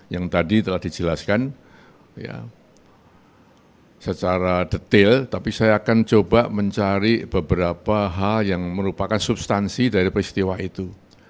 yang tadi telah dijelaskan secara detail tapi saya akan coba mencari beberapa hal yang merupakan substansi dari peristiwa itu